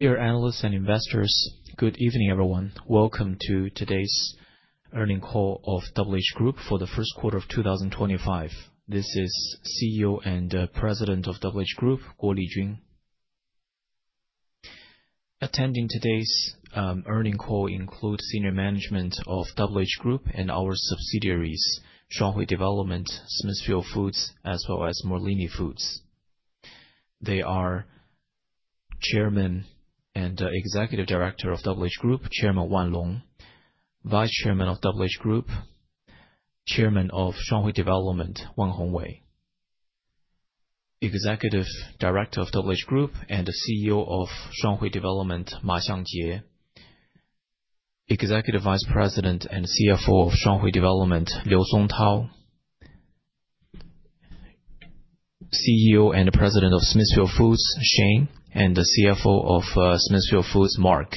Dear analysts and investors, good evening everyone. Welcome to today's earnings call of WH Group for the first quarter of 2025. This is CEO and President of WH Group, Guo Lijun. Attending today's earnings call includes senior management of WH Group and our subsidiaries, Shuanghui Development, Smithfield Foods, as well as Morliny Foods. They are Chairman and Executive Director of WH Group, Chairman Wan Long; Vice Chairman of WH Group, Chairman of Shuanghui Development, Wang Hongwei, Vice Chairman of WH Group and CEO of Shuanghui Development, Ma Xiangjie; Executive Vice President and CFO of Shuanghui Development, Liu Songtao; CEO and President of Smithfield Foods, Shane; and CFO of Smithfield Foods, Mark;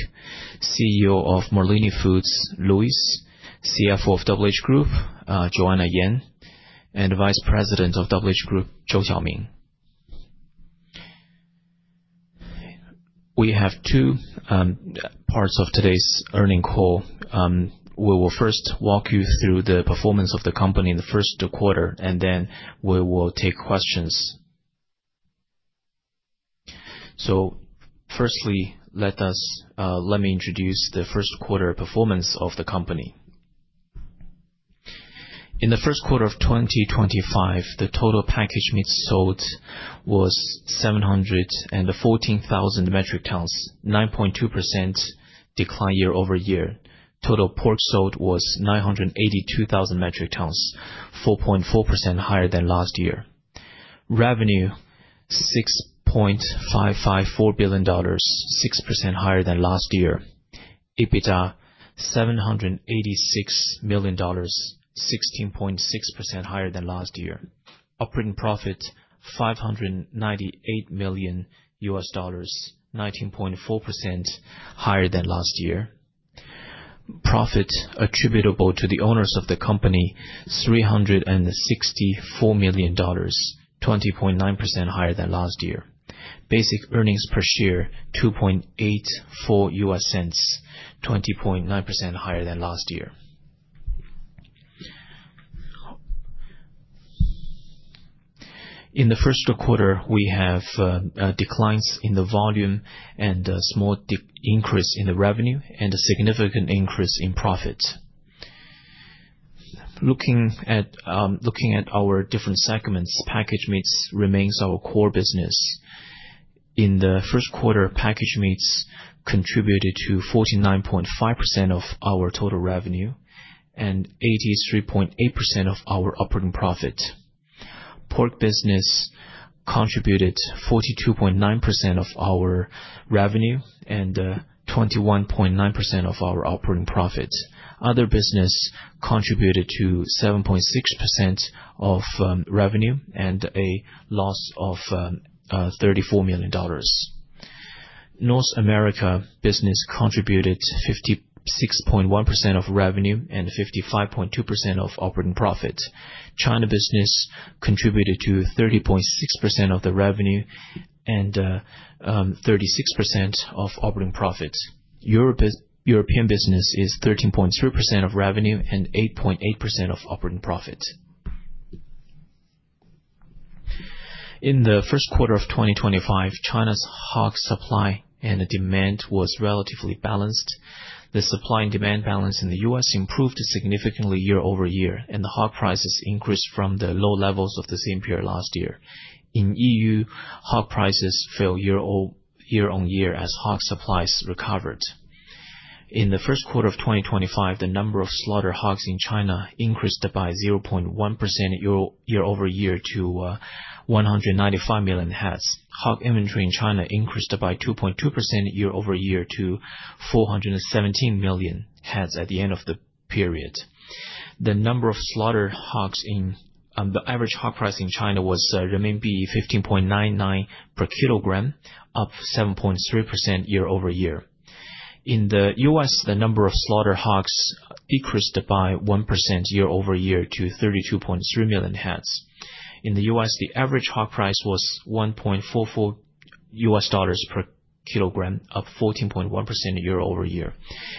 CEO of Morliny Foods, Luis; CFO of WH Group, Joanna Yan; and Vice President of WH Group, Zhou Xiaoming. We have two parts of today's earnings call. We will first walk you through the performance of the company in the first quarter, and then we will take questions. Firstly, let me introduce the first quarter performance of the company. In the first quarter of 2025, the total packaged meat sold was 714,000 metric tons, 9.2% decline year over year. Total pork sold was 982,000 metric tons, 4.4% higher than last year. Revenue: $6.554 billion, 6% higher than last year. EBITDA: $786 million, 16.6% higher than last year. Operating profit: $598 million, 19.4% higher than last year. Profit attributable to the owners of the company: $364 million, 20.9% higher than last year. Basic earnings per share: $2.84, 20.9% higher than last year. In the first quarter, we have declines in the volume and a small increase in the revenue and a significant increase in profit. Looking at our different segments, packaged meats remains our core business. In the first quarter, packaged meats contributed to 49.5% of our total revenue and 83.8% of our operating profit. Pork business contributed 42.9% of our revenue and 21.9% of our operating profit. Other business contributed to 7.6% of revenue and a loss of $34 million. North America business contributed 56.1% of revenue and 55.2% of operating profit. China business contributed to 30.6% of the revenue and 36% of operating profit. European business is 13.3% of revenue and 8.8% of operating profit. In the first quarter of 2025, China's hog supply and demand was relatively balanced. The supply and demand balance in the U.S. improved significantly year over year, and the hog prices increased from the low levels of the same period last year. In EU, hog prices fell year on year as hog supplies recovered. In the first quarter of 2025, the number of slaughter hogs in China increased by 0.1% year over year to 195 million heads. Hog inventory in China increased by 2.2% year over year to 417 million heads at the end of the period. The average hog price in China remained ¥15.99 per kilogram, up 7.3% year over year. In the U.S., the number of slaughter hogs decreased by 1% year over year to 32.3 million heads. In the U.S., the average hog price was $1.44 per kilogram, up 14.1% year over year.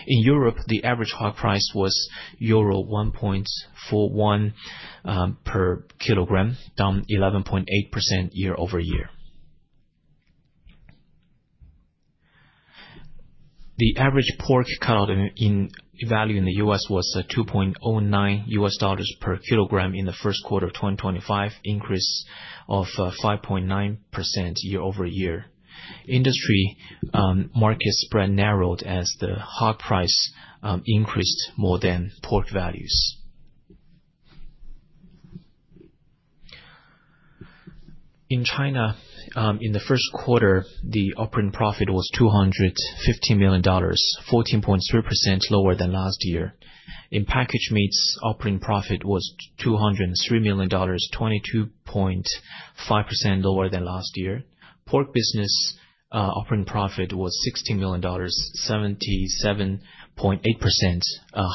In Europe, the average hog price was €1.41 per kilogram, down 11.8% year over year. The average pork cutout value in the U.S. was $2.09 per kilogram in the first quarter of 2025, increase of 5.9% year over year. Industry market spread narrowed as the hog price increased more than pork values. In China, in the first quarter, the operating profit was $215 million, 14.3% lower than last year. In packaged meats, operating profit was $203 million, 22.5% lower than last year. Pork business operating profit was $16 million, 77.8%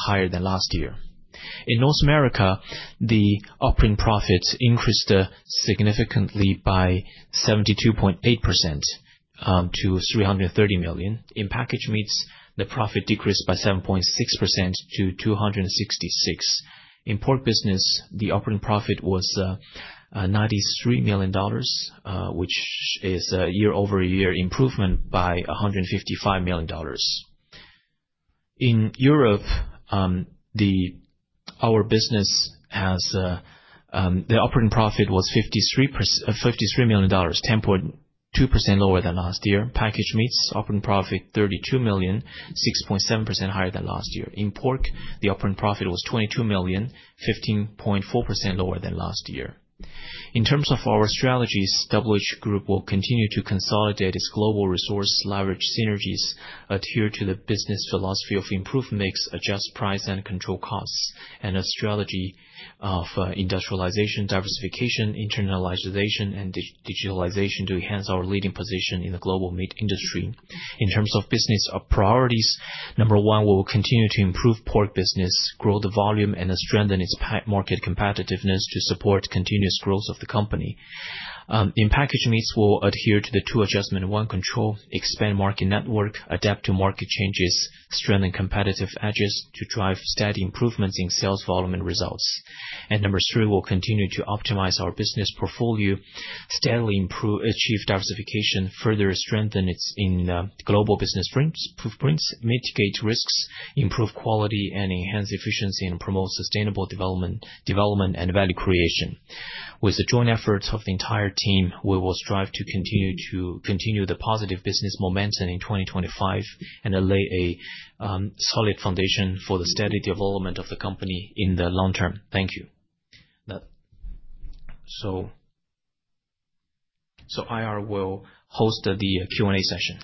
higher than last year. In North America, the operating profit increased significantly by 72.8% to $330 million. In packaged meats, the profit decreased by 7.6% to $266 million. In pork business, the operating profit was $93 million, which is a year-over-year improvement by $155 million. In Europe, our business operating profit was $53 million, 10.2% lower than last year. Packaged meats, operating profit $32 million, 6.7% higher than last year. In pork, the operating profit was $22 million, 15.4% lower than last year. In terms of our strategies, WH Group will continue to consolidate its global resources, leverage synergies, adhere to the business philosophy of improved mix, adjust price, and control costs, and a strategy of industrialization, diversification, internationalization, and digitalization to enhance our leading position in the global meat industry. In terms of business priorities, number one, we will continue to improve pork business, grow the volume, and strengthen its market competitiveness to support continuous growth of the company. In packaged meats, we will adhere to the two adjustment one control, expand market network, adapt to market changes, strengthen competitive edges to drive steady improvements in sales volume and results. Number three, we will continue to optimize our business portfolio, steadily achieve diversification, further strengthen its global business footprints, mitigate risks, improve quality, and enhance efficiency and promote sustainable development and value creation. With the joint efforts of the entire team, we will strive to continue the positive business momentum in 2025 and lay a solid foundation for the steady development of the company in the long term. Thank you. IR will host the Q&A session.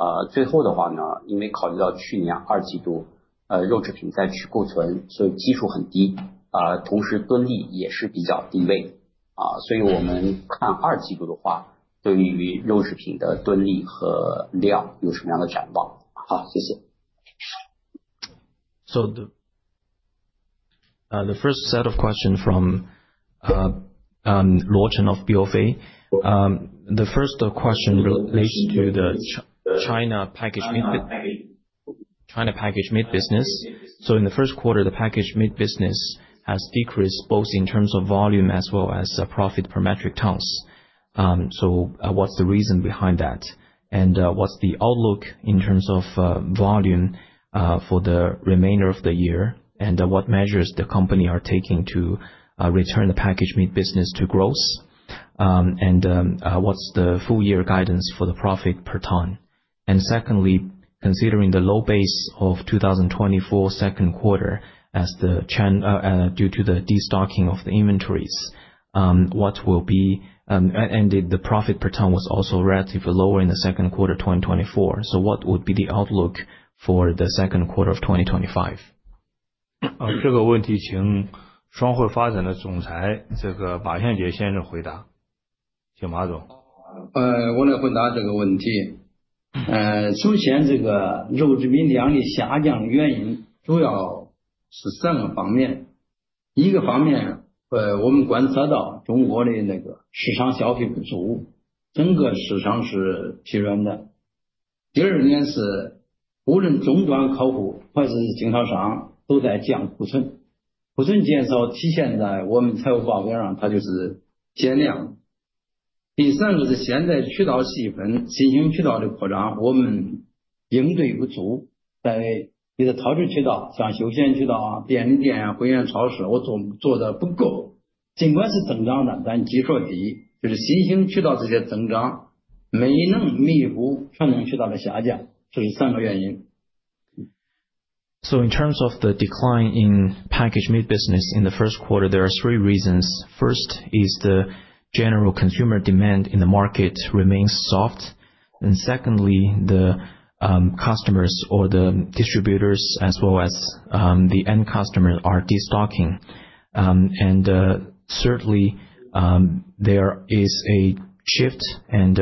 The first set of questions from Luo Chen of BofA. The first question relates to the China packaged meat business. In the first quarter, the packaged meat business has decreased both in terms of volume as well as profit per metric tons. What's the reason behind that? What's the outlook in terms of volume for the remainder of the year? What measures is the company taking to return the packaged meat business to growth? What's the full-year guidance for the profit per ton? Secondly, considering the low base of 2024 second quarter due to the destocking of the inventories, what will be—and the profit per ton was also relatively lower in the second quarter 2024. What would be the outlook for the second quarter of 2025? 这个问题请双汇发展的总裁马向杰先生回答。请马总。In terms of the decline in packaged meat business in the first quarter, there are three reasons. First is the general consumer demand in the market remains soft. Secondly, the customers or the distributors as well as the end customers are destocking. Thirdly, there is a shift and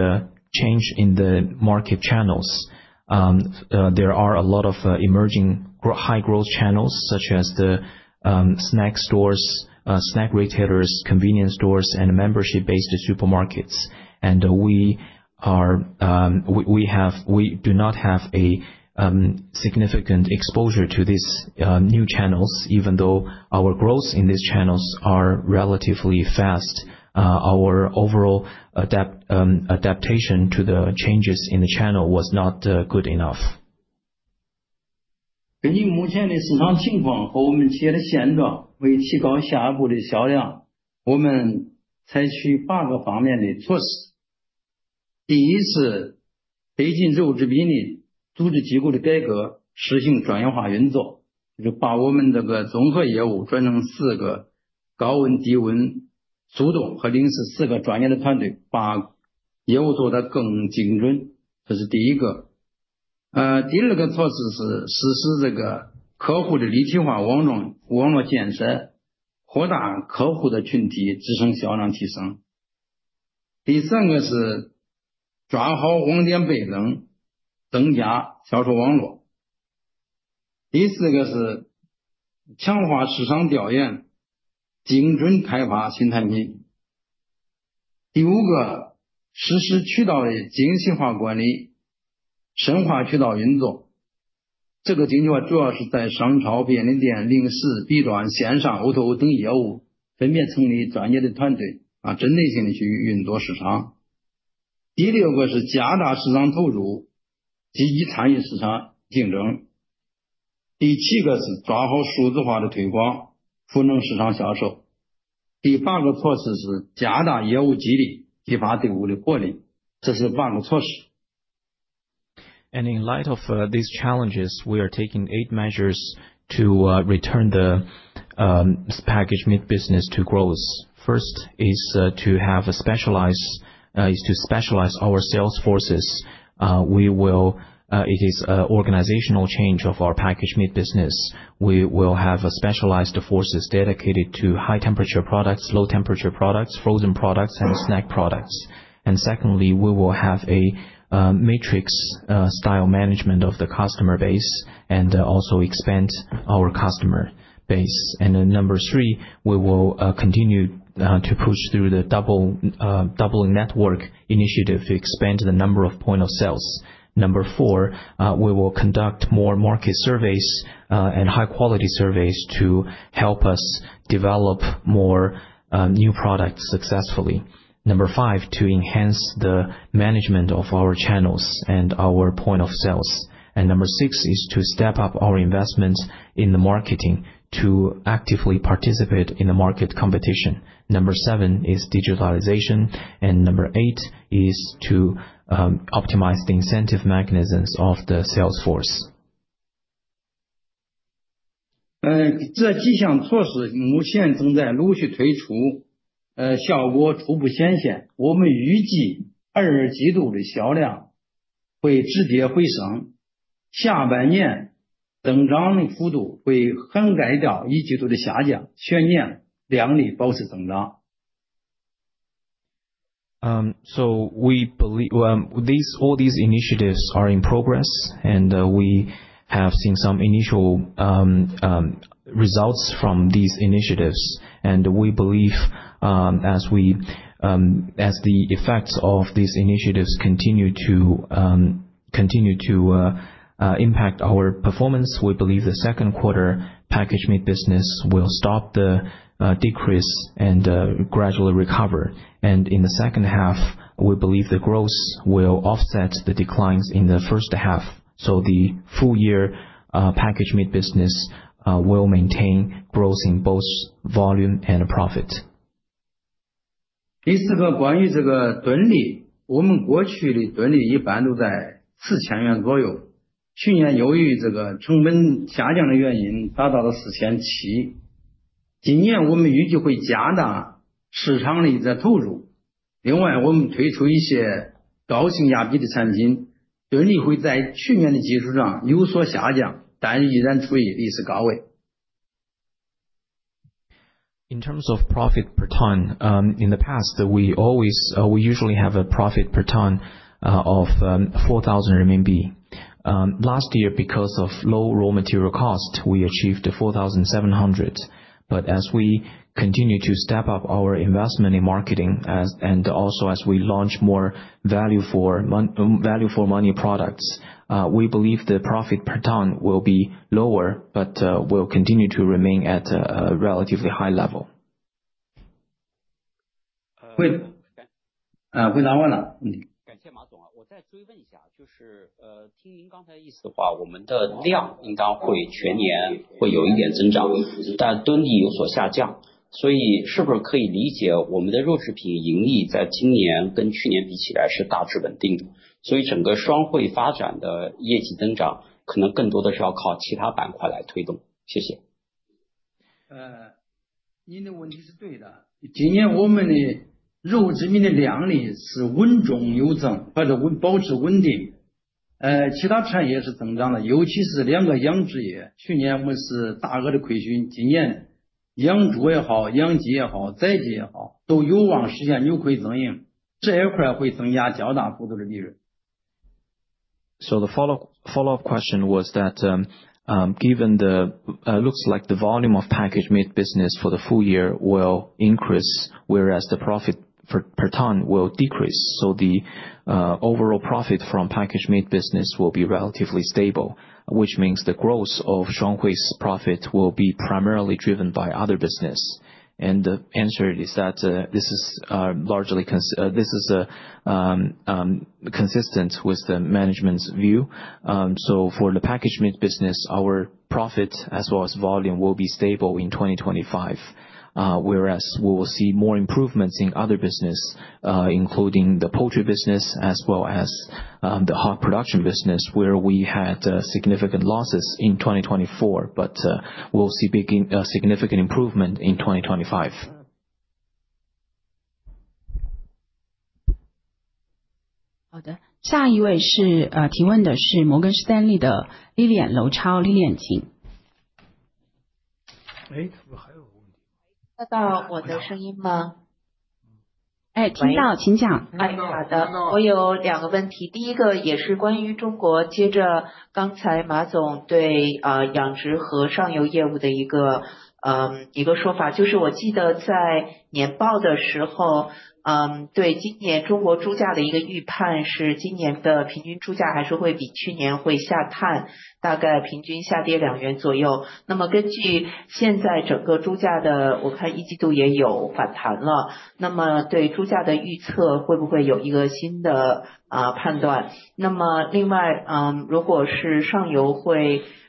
change in the market channels. There are a lot of emerging high-growth channels such as the snack stores, snack retailers, convenience stores, and membership-based supermarkets. We do not have a significant exposure to these new channels, even though our growth in these channels is relatively fast. Our overall adaptation to the changes in the channel was not good enough. In light of these challenges, we are taking eight measures to return the packaged meat business to growth. First is to specialize our sales forces. It is an organizational change of our packaged meat business. We will have specialized forces dedicated to high-temperature products, low-temperature products, frozen products, and snack products. Secondly, we will have a matrix-style management of the customer base and also expand our customer base. Number three, we will continue to push through the double network initiative to expand the number of point of sales. Number four, we will conduct more market surveys and high-quality surveys to help us develop more new products successfully. Number five, to enhance the management of our channels and our point of sales. Number six is to step up our investments in the marketing to actively participate in the market competition. Number seven is digitalization. Number eight is to optimize the incentive mechanisms of the sales force. 这几项措施目前正在陆续推出，效果初步显现。我们预计二季度的销量会止跌回升，下半年增长的幅度会很快抵消一季度的下降，全年有望保持增长。All these initiatives are in progress, and we have seen some initial results from these initiatives. We believe as the effects of these initiatives continue to impact our performance, we believe the second quarter packaged meat business will stop the decrease and gradually recover. In the second half, we believe the growth will offset the declines in the first half. The full-year packaged meat business will maintain growth in both volume and profit. In terms of profit per ton, in the past, we usually have a profit per ton of ¥4,000. Last year, because of low raw material cost, we achieved ¥4,700. But as we continue to step up our investment in marketing and also as we launch more value for money products, we believe the profit per ton will be lower, but will continue to remain at a relatively high level. 回答完了。感谢马总。我再追问一下，就是听您刚才意思的话，我们的量应当会全年会有一点增长，但吨利有所下降。所以是不是可以理解我们的肉制品盈利在今年跟去年比起来是大致稳定的？所以整个双汇发展的业绩增长可能更多的是要靠其他板块来推动。谢谢。您的问题是对的。今年我们的肉制品的量是稳中有增，或者保持稳定。其他产业是增长的，尤其是两个养殖业。去年我们是大额的亏损，今年养猪也好，养鸡也好，宰鸡也好，都有望实现扭亏增盈。这一块会增加较大幅度的利润。The follow-up question was that given it looks like the volume of packaged meat business for the full year will increase, whereas the profit per ton will decrease, the overall profit from packaged meat business will be relatively stable, which means the growth of Shuanghui's profit will be primarily driven by other business. The answer is that this is largely consistent with the management's view. For the packaged meat business, our profit as well as volume will be stable in 2025, whereas we will see more improvements in other business, including the poultry business as well as the hog production business, where we had significant losses in 2024, but we'll see significant improvement in 2025. 好的。下一位提问的是摩根士丹利的Lilian，楼超，Lilian，请。喂，我还有个问题。听得到我的声音吗？ 喂，听到，请讲。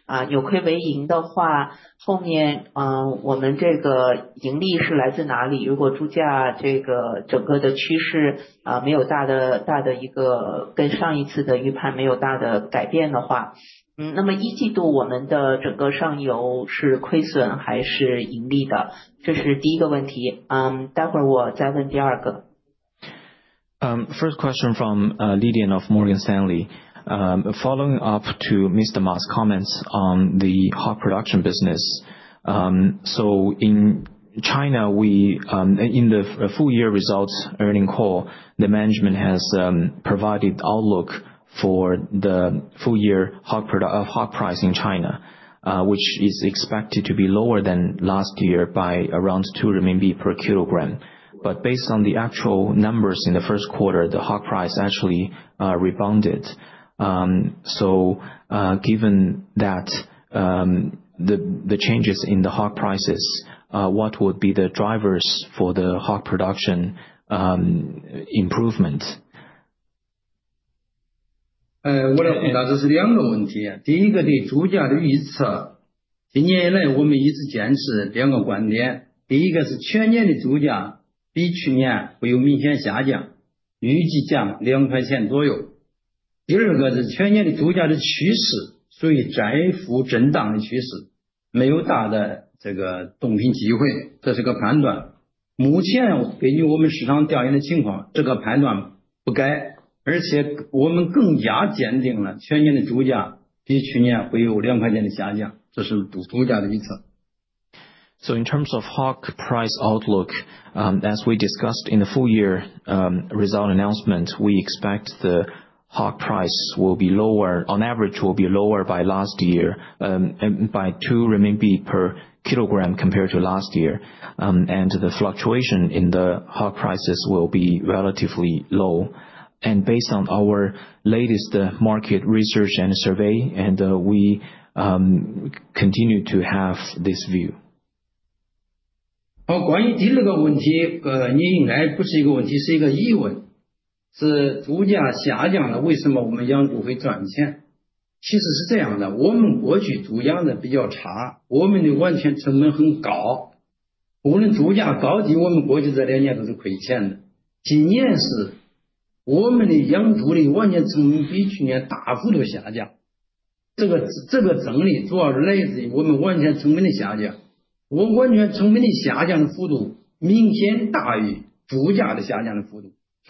First question from Lilian of Morgan Stanley. Following up to Mr. Ma's comments on the hog production business, so in China, in the full-year results earnings call, the management has provided outlook for the full-year hog price in China, which is expected to be lower than last year by around ¥2 per kilogram. But based on the actual numbers in the first quarter, the hog price actually rebounded. So given that, the changes in the hog prices, what would be the drivers for the hog production improvement? 我来回答这是两个问题。第一个对猪价的预测，今年以来我们一直坚持两个观点。第一个是全年的猪价比去年会有明显下降，预计降¥2左右。第二个是全年的猪价的趋势属于窄幅震荡的趋势，没有大的动荡机会。这是个判断。目前根据我们市场调研的情况，这个判断不改。而且我们更加坚定了全年的猪价比去年会有¥2的下降。这是猪价的预测。In terms of hog price outlook, as we discussed in the full-year result announcement, we expect the hog price will be lower, on average will be lower by ¥2 per kilogram compared to last year. The fluctuation in the hog prices will be relatively low. Based on our latest market research and survey, we continue to have this view.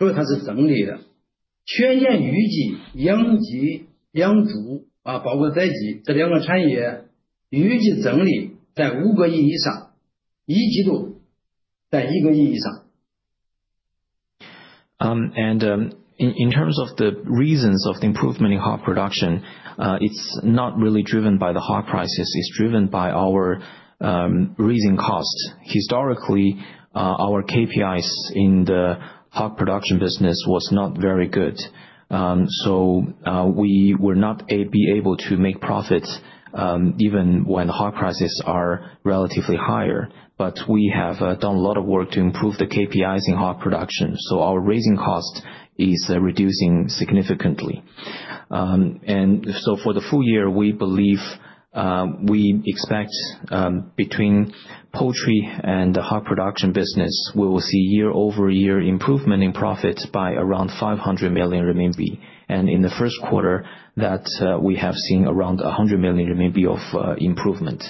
In terms of the reasons for the improvement in hog production, it's not really driven by the hog prices; it's driven by our raising costs. Historically, our KPIs in the hog production business were not very good. We were not able to make profits even when hog prices are relatively higher. But we have done a lot of work to improve the KPIs in hog production. Our raising cost is reducing significantly. For the full year, we believe we expect between poultry and the hog production business, we will see year-over-year improvement in profits by around ¥500 million. In the first quarter, we have seen around ¥100 million of improvement.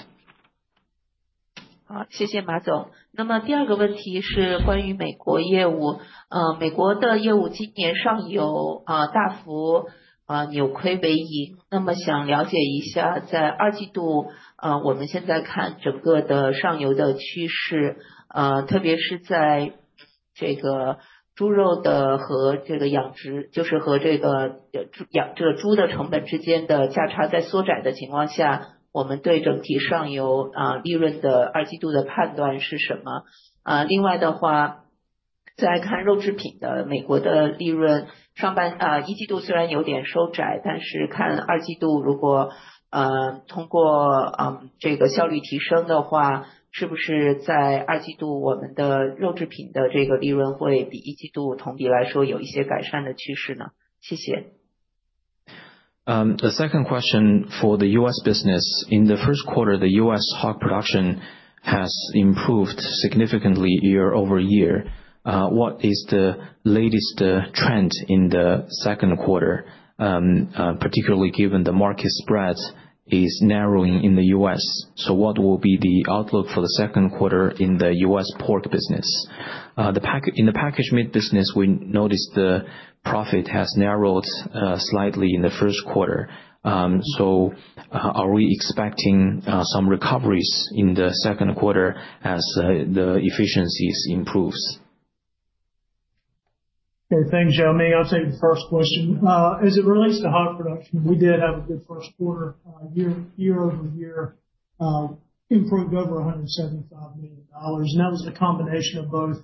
The second question for the U.S. business. In the first quarter, the U.S. hog production has improved significantly year-over-year. What is the latest trend in the second quarter, particularly given the market spread is narrowing in the U.S.? What will be the outlook for the second quarter in the U.S. pork business? In the packaged meat business, we noticed the profit has narrowed slightly in the first quarter. Are we expecting some recoveries in the second quarter as the efficiencies improve? Thanks, Lou Chao. I'll take the first question. As it relates to hog production, we did have a good first quarter, year-over-year, improved over $175 million. That was a combination of both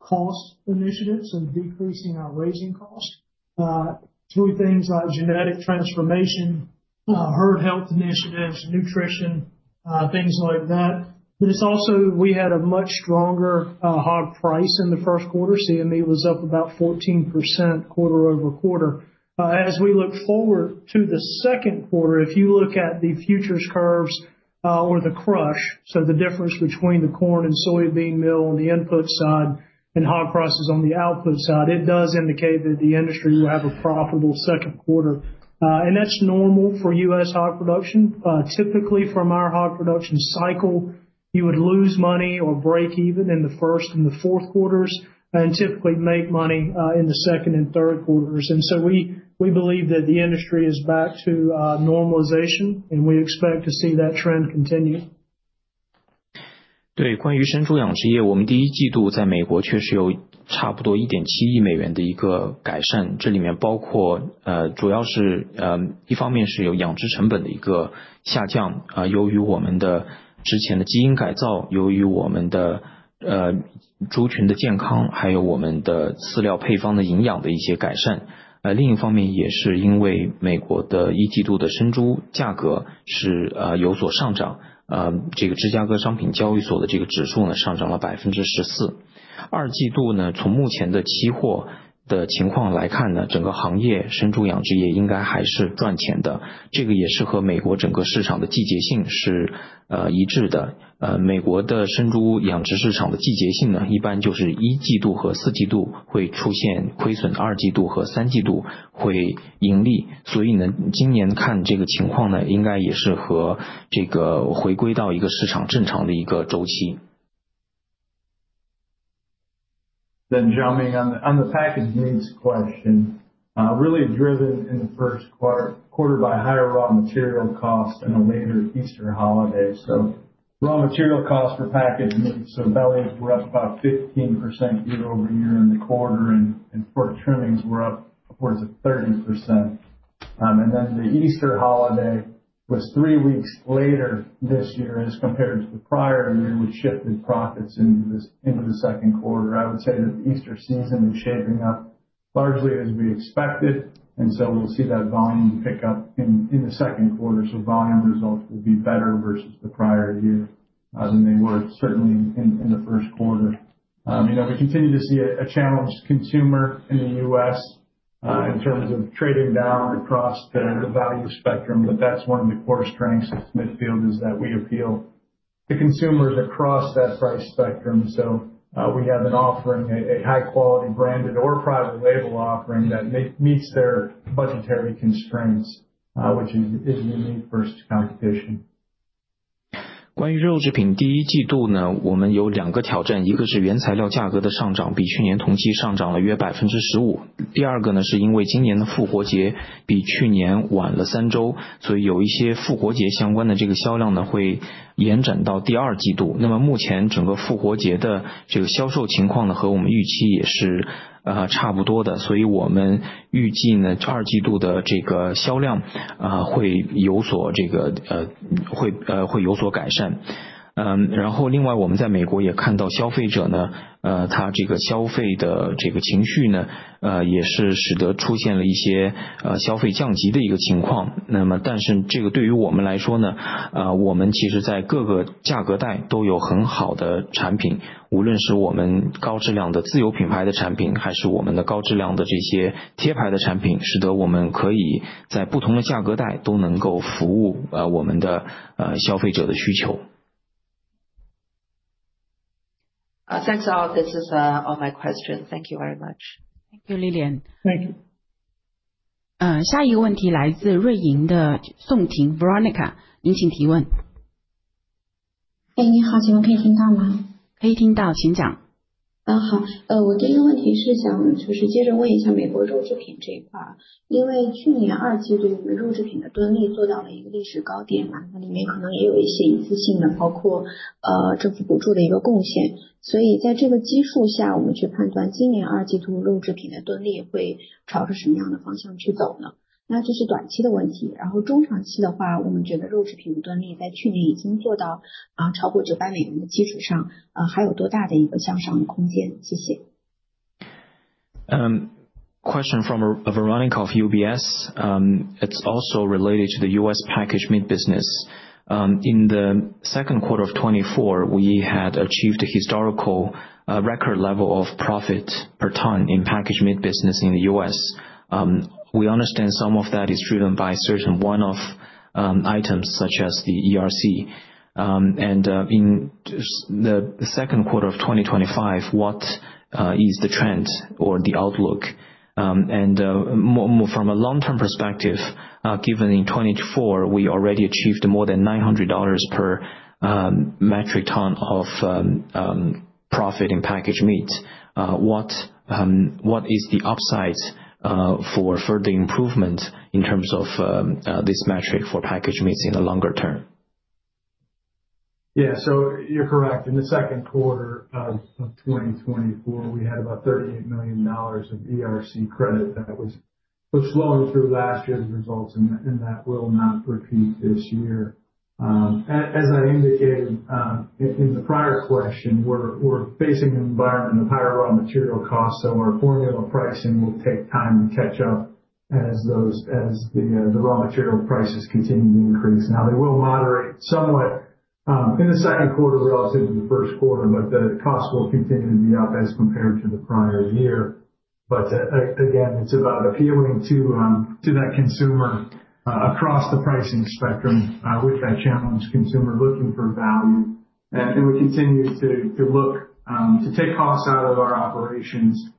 cost initiatives and decreasing our raising cost through things like genetic transformation, herd health initiatives, nutrition, things like that. But it's also we had a much stronger hog price in the first quarter. CME was up about 14% quarter over quarter. As we look forward to the second quarter, if you look at the futures curves or the crush, so the difference between the corn and soybean mill on the input side and hog prices on the output side, it does indicate that the industry will have a profitable second quarter. That's normal for U.S. hog production. Typically, from our hog production cycle, you would lose money or break even in the first and the fourth quarters and typically make money in the second and third quarters. So we believe that the industry is back to normalization, and we expect to see that trend continue. Lou Chao, on the packaged meats question, really driven in the first quarter by higher raw material cost and a later Easter holiday. Raw material cost for packaged meats, so bellies were up about 15% year-over-year in the quarter, and pork trimmings were up upwards of 30%. The Easter holiday was three weeks later this year as compared to the prior year, which shifted profits into the second quarter. I would say that the Easter season is shaping up largely as we expected. We'll see that volume pick up in the second quarter. Volume results will be better versus the prior year than they were certainly in the first quarter. We continue to see a challenged consumer in the U.S. in terms of trading down across the value spectrum. That's one of the core strengths of Smithfield, is that we appeal to consumers across that price spectrum. We have an offering, a high-quality branded or private label offering that meets their budgetary constraints, which is unique versus competition. That's all. This is all my questions. Thank you very much. Thank you, Lilian. Thank you. 下一个问题来自瑞银的宋婷，Veronica，您请提问。哎，你好，请问可以听到吗？ 可以听到，请讲。好，我第一个问题是想接着问一下美国肉制品这一块。因为去年二季度我们肉制品的吨位做到了一个历史高点，那里面可能也有一些一次性的，包括政府补助的一个贡献。所以在这个基数下，我们去判断今年二季度肉制品的吨位会朝着什么样的方向去走呢？那这是短期的问题。然后中长期的话，我们觉得肉制品的吨位在去年已经做到超过$900的基础上，还有多大的一个向上的空间？谢谢。Question from Veronica of UBS. It's also related to the U.S. packaged meat business. In the second quarter of '24, we had achieved a historical record level of profit per ton in packaged meat business in the U.S. We understand some of that is driven by certain one-off items such as the ERC. In the second quarter of 2025, what is the trend or the outlook? From a long-term perspective, given in '24 we already achieved more than $900 per metric ton of profit in packaged meat, what is the upside for further improvement in terms of this metric for packaged meats in the longer term? Yeah, so you're correct. In the second quarter of 2024, we had about $38 million of ERC credit that was flowing through last year's results, and that will not repeat this year. As I indicated in the prior question, we're facing an environment of higher raw material costs, so our formula pricing will take time to catch up as the raw material prices continue to increase. Now, they will moderate somewhat in the second quarter relative to the first quarter, but the cost will continue to be up as compared to the prior year. But again, it's about appealing to that consumer across the pricing spectrum with that challenged consumer looking for value. We continue to take costs out of our operations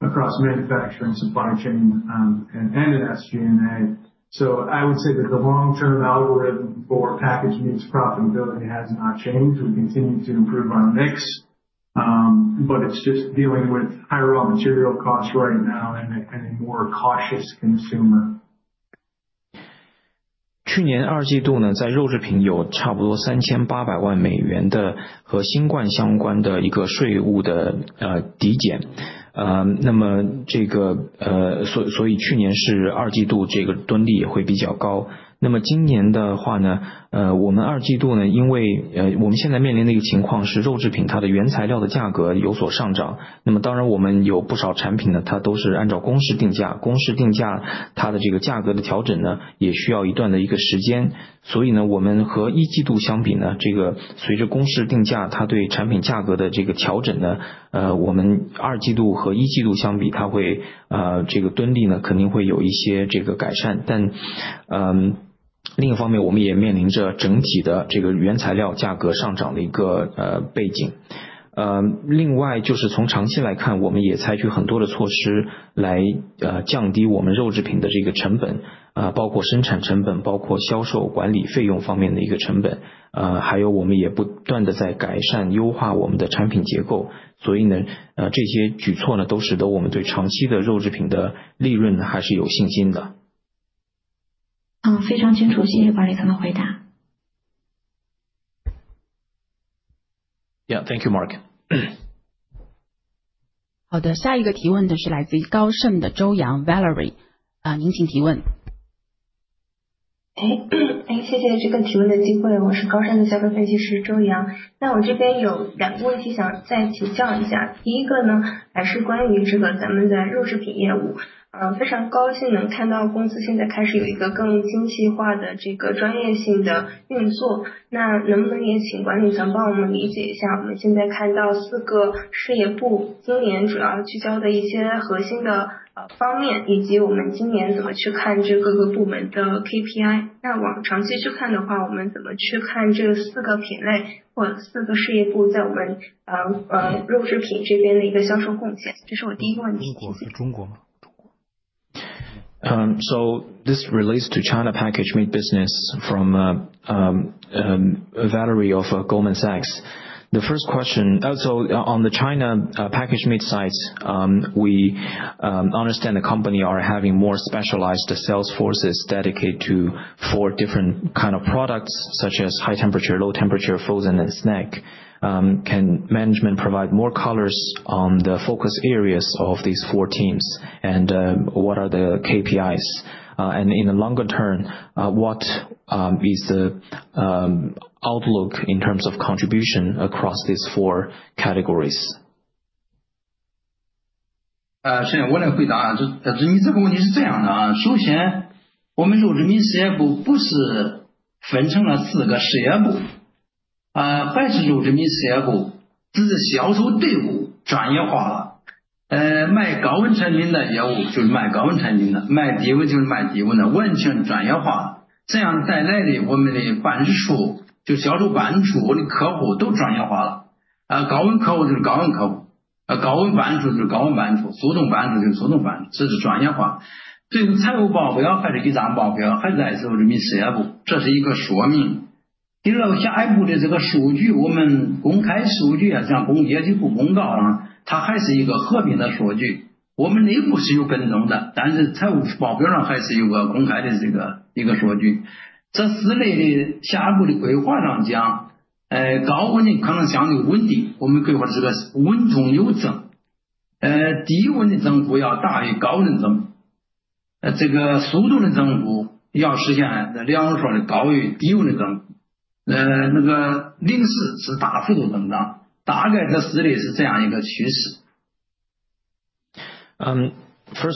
across manufacturing, supply chain, and SG&A. I would say that the long-term algorithm for packaged meats profitability has not changed. We continue to improve our mix, but it's just dealing with higher raw material costs right now and a more cautious consumer. 非常清楚，谢谢管理层的回答。Yeah, thank you, Mark. 好的，下一个提问是来自于高盛的周阳，Valery，您请提问。中国吗？中国。So this relates to China packaged meat business from Valerie of Goldman Sachs. The first question, on the China packaged meat sites, we understand the company are having more specialized sales forces dedicated to four different kinds of products, such as high temperature, low temperature, frozen, and snack. Can management provide more colors on the focus areas of these four teams, and what are the KPIs? And in the longer term, what is the outlook in terms of contribution across these four categories? First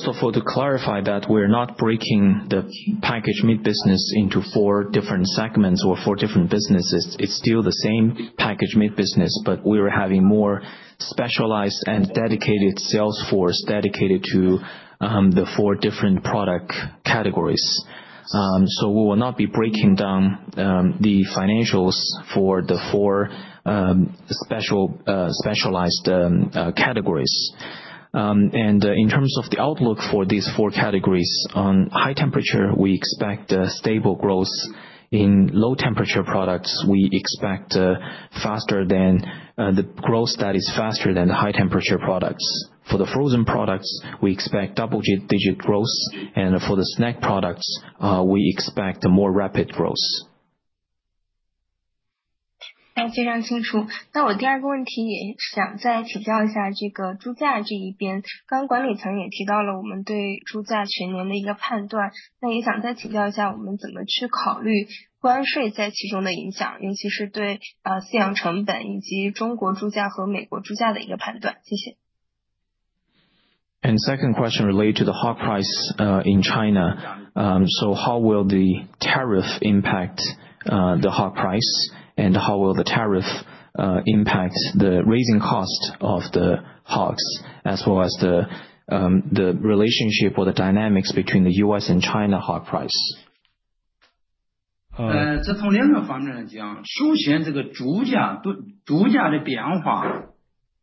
of all, to clarify that we're not breaking the packaged meat business into four different segments or four different businesses, it's still the same packaged meat business, but we're having more specialized and dedicated sales force dedicated to the four different product categories. We will not be breaking down the financials for the four specialized categories. In terms of the outlook for these four categories, on high temperature, we expect stable growth; in low temperature products, we expect faster growth than the high temperature products. For the frozen products, we expect double digit growth, and for the snack products, we expect more rapid growth. 非常清楚。那我第二个问题也想再请教一下猪价这一边，刚才管理层也提到了我们对猪价全年的一个判断，那也想再请教一下我们怎么去考虑关税在其中的影响，尤其是对饲养成本以及中国猪价和美国猪价的一个判断，谢谢。The second question is related to the hog price in China, so how will the tariff impact the hog price, and how will the tariff impact the raising cost of the hogs, as well as the relationship or the dynamics between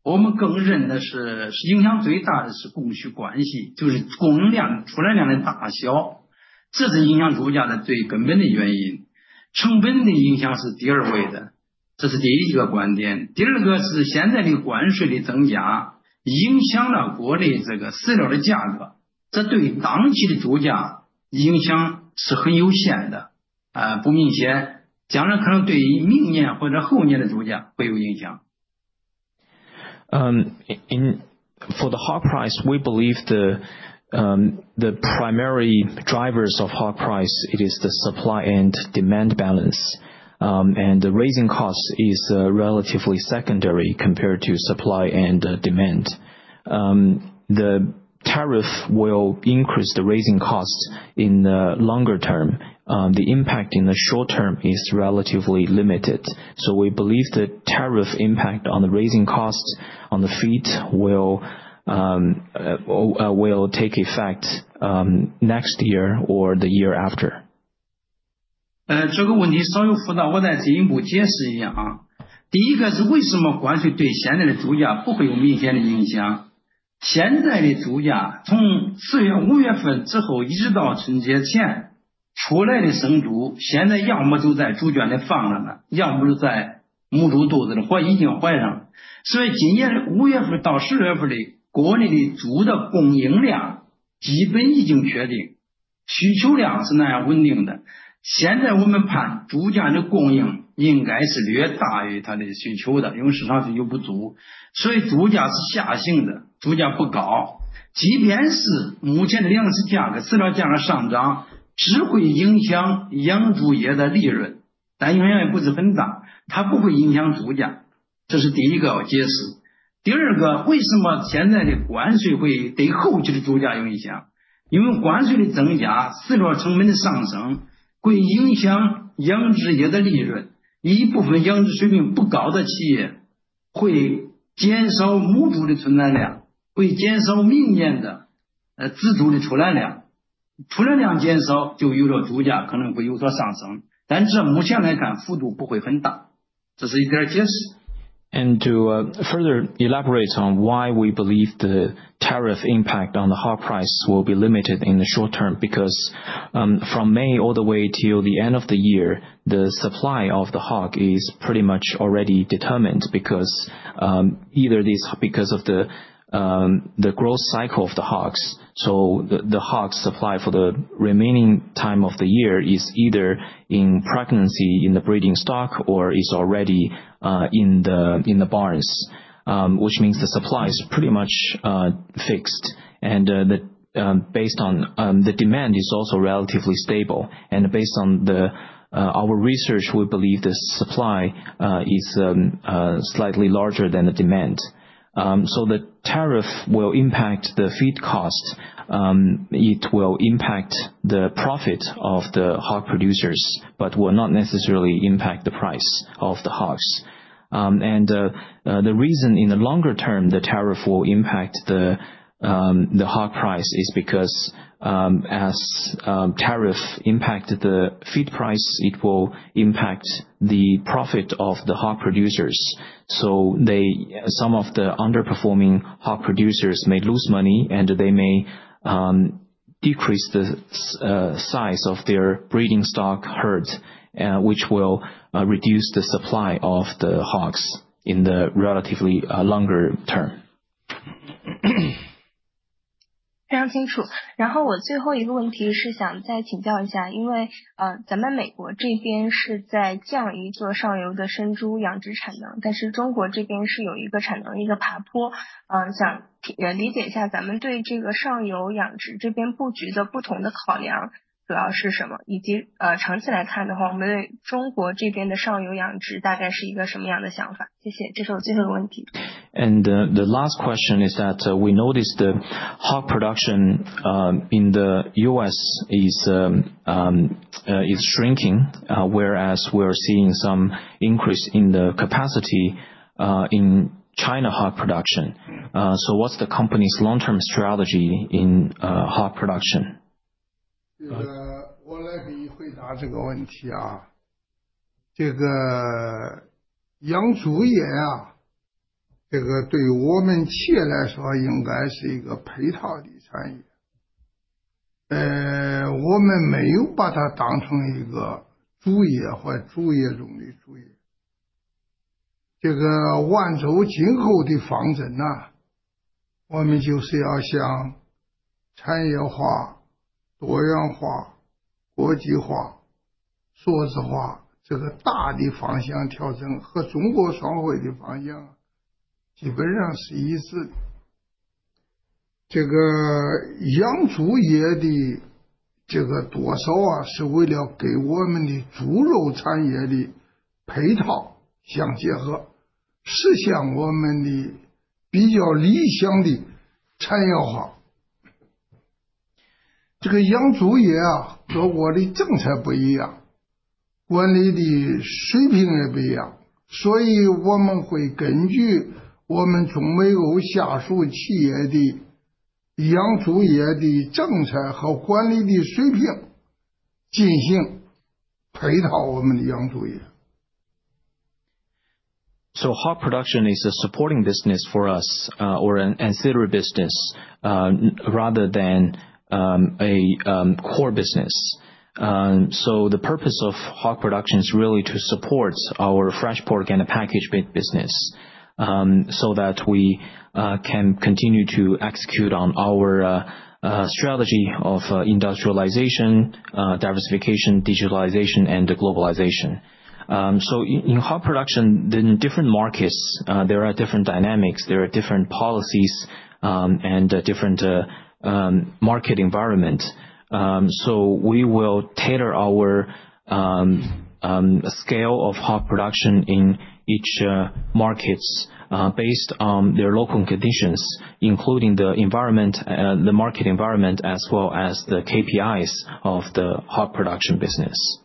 the U.S. and China hog price? 这从两个方面来讲，首先猪价的变化，我们更认为影响最大的是供需关系，就是供应量出栏量的大小，这是影响猪价的最根本的原因。成本的影响是第二位的，这是第一个观点。第二个是现在的关税的增加，影响了国内饲料的价格，这对当期的猪价影响是很有限的，不明显，将来可能对明年或者后年的猪价会有影响。For the hog price, we believe the primary drivers of hog price are the supply and demand balance, and the raising cost is relatively secondary compared to supply and demand. The tariff will increase the raising cost in the longer term; the impact in the short term is relatively limited, so we believe the tariff impact on the raising cost on the feed will take effect next year or the year after. To further elaborate on why we believe the tariff impact on the hog price will be limited in the short term, from May all the way till the end of the year, the supply of the hog is pretty much already determined because of the growth cycle of the hogs. The hog supply for the remaining time of the year is either in pregnancy in the breeding stock or is already in the barns, which means the supply is pretty much fixed. Based on the demand, it's also relatively stable. Based on our research, we believe the supply is slightly larger than the demand. The tariff will impact the feed cost, it will impact the profit of the hog producers, but will not necessarily impact the price of the hogs. The reason in the longer term the tariff will impact the hog price is because as tariffs impact the feed price, it will impact the profit of the hog producers. Some of the underperforming hog producers may lose money, and they may decrease the size of their breeding stock herd, which will reduce the supply of the hogs in the relatively longer term. The last question is that we noticed the hog production in the U.S. is shrinking, whereas we're seeing some increase in the capacity in China hog production. So what's the company's long-term strategy in hog production? Hog production is a supporting business for us and considered business rather than a core business. The purpose of hog production is really to support our fresh pork and packaged meat business, so that we can continue to execute on our strategy of industrialization, diversification, digitalization, and globalization. In hog production, in different markets, there are different dynamics, there are different policies, and different market environments. We will tailor our scale of hog production in each market based on their local conditions, including the market environment, as well as the KPIs of the hog production business.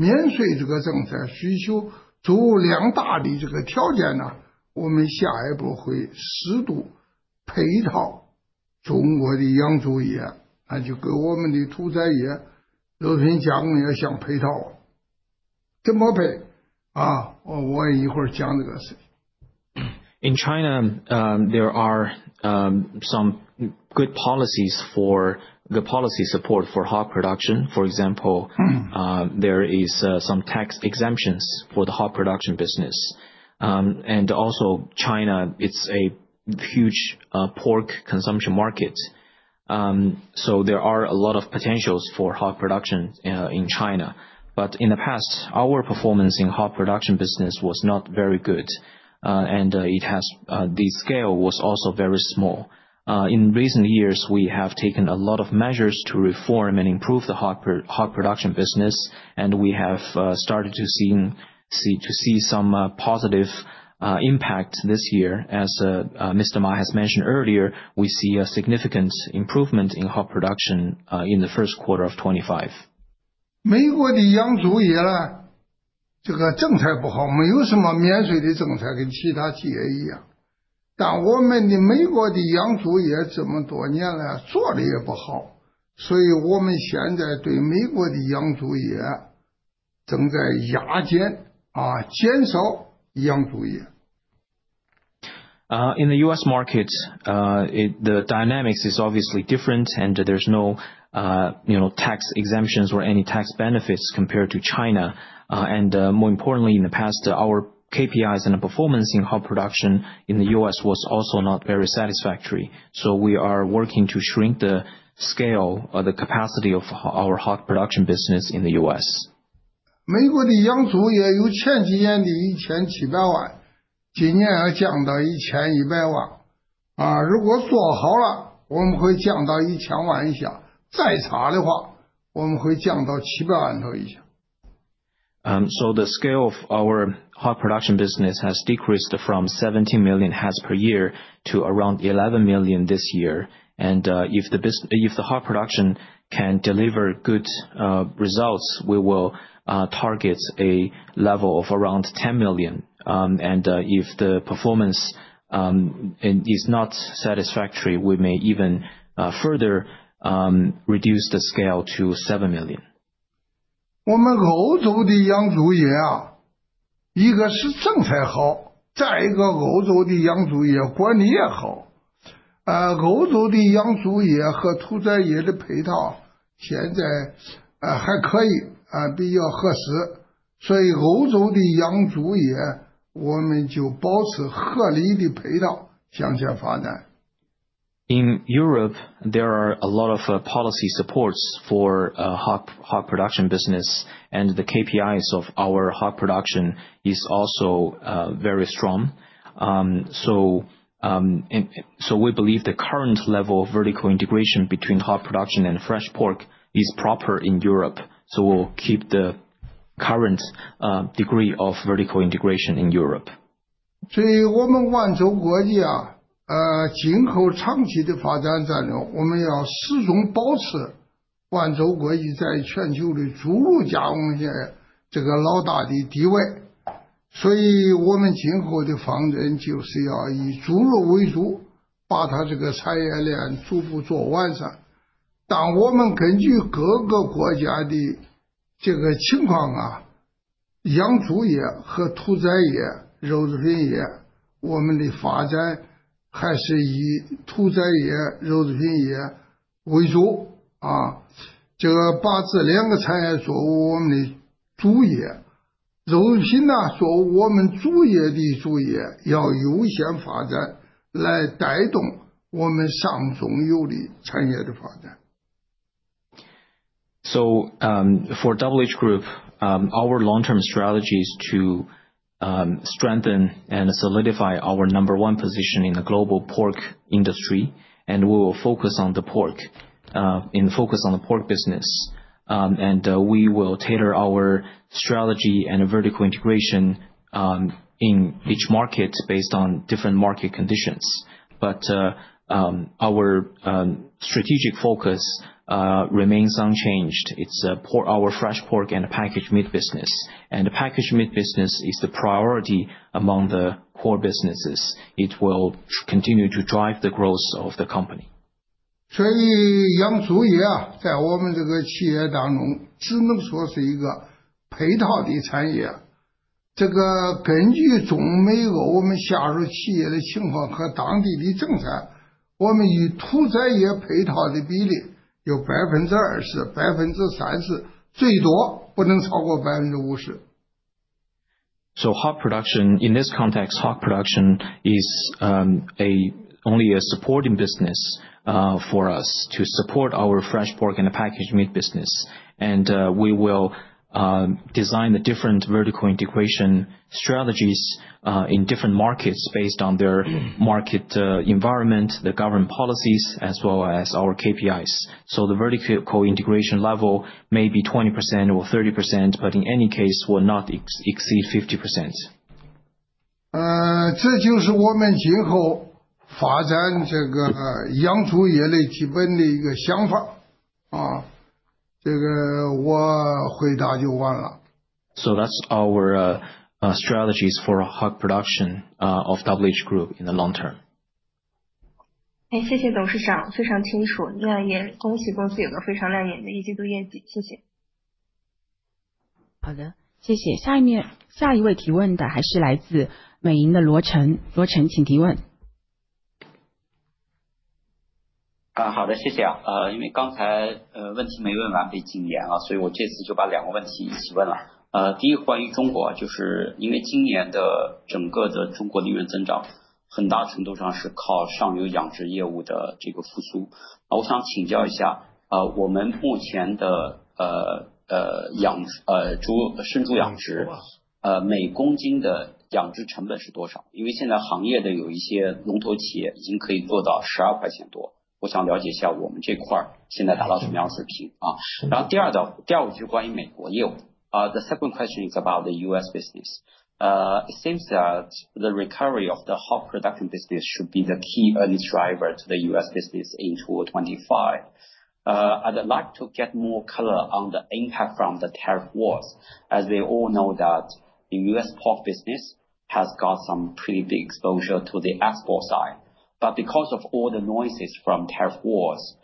In China, there are some good policies for policy support for hog production. For example, there are some tax exemptions for the hog production business. China is a huge pork consumption market, so there are a lot of potentials for hog production in China. In the past, our performance in hog production business was not very good, and the scale was also very small. In recent years, we have taken a lot of measures to reform and improve the hog production business, and we have started to see some positive impact this year. As Mr. Ma has mentioned earlier, we see a significant improvement in hog production in the first quarter of 2025. 美国的养猪业政策不好，没有什么免税的政策，跟其他企业一样。但我们的美国的养猪业这么多年来做得也不好，所以我们现在对美国的养猪业正在压减，减少养猪业。In the U.S. market, the dynamics are obviously different, and there are no tax exemptions or any tax benefits compared to China. More importantly, in the past, our KPIs and the performance in hog production in the U.S. were also not very satisfactory. So we are working to shrink the scale or the capacity of our hog production business in the U.S. 美国的养猪业有前几年的1,700万头，今年要降到1,100万头。如果做好了，我们会降到1,000万头以下，再差的话，我们会降到700万头左右以下。The scale of our hog production business has decreased from 17 million heads per year to around 11 million this year. If the hog production can deliver good results, we will target a level of around 10 million. If the performance is not satisfactory, we may even further reduce the scale to 7 million. In Europe, there are a lot of policy supports for hog production business, and the KPIs of our hog production are also very strong. We believe the current level of vertical integration between hog production and fresh pork is proper in Europe. We'll keep the current degree of vertical integration in Europe. For WH Group, our long-term strategy is to strengthen and solidify our number one position in the global pork industry, and we will focus on the pork and focus on the pork business. We will tailor our strategy and vertical integration in each market based on different market conditions. But our strategic focus remains unchanged. It's our fresh pork and packaged meat business. The packaged meat business is the priority among the core businesses. It will continue to drive the growth of the company. 所以养猪业在我们企业当中只能说是一个配套的产业。根据中美欧我们下游企业的情况和当地的政策，我们与屠宰业配套的比例有20%、30%，最多不能超过50%。Hog production in this context, hog production is only a supporting business for us to support our fresh pork and packaged meat business. We will design the different vertical integration strategies in different markets based on their market environment, the government policies, as well as our KPIs. The vertical integration level may be 20% or 30%, but in any case, will not exceed 50%. 这就是我们今后发展养猪业的基本的一个想法。我回答就完了。Those are our strategies for hog production of WH Group in the long term. 谢谢董事长，非常清楚，亮眼，恭喜公司有个非常亮眼的一季度业绩，谢谢。好的，谢谢。下一位提问的还是来自美银的罗晨，罗晨请提问。The second question is about the U.S. business. It seems that the recovery of the hog production business should be the key earnings driver to the U.S. business in 2025. I'd like to get more color on the impact from the tariff wars, as we all know that the U.S. pork business has got some pretty big exposure to the export side. Because of all the noises from tariff wars,